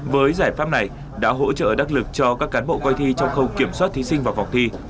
với giải pháp này đã hỗ trợ đắc lực cho các cán bộ coi thi trong khâu kiểm soát thí sinh vào vòng thi